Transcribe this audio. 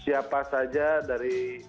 siapa saja dari